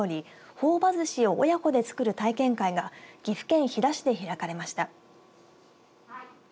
ほお葉ずしを親子で作る体験会が岐阜県飛騨市で開かれました。